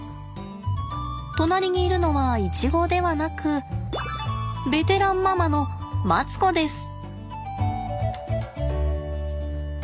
隣にいるのはイチゴではなくベテランママのマツコです。